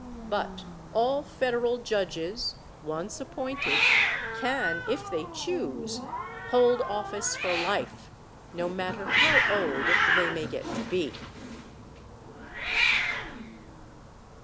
But all federal judges, once appointed, can, if they choose, hold office for life, no matter how old they may get to be.